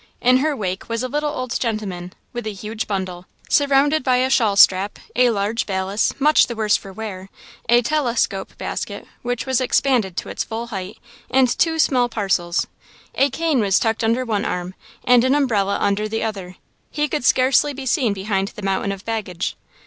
In her wake was a little old gentleman, with a huge bundle, surrounded by a shawl strap, a large valise, much the worse for wear, a telescope basket which was expanded to its full height, and two small parcels. A cane was tucked under one arm and an umbrella under the other. He could scarcely be seen behind the mountain of baggage.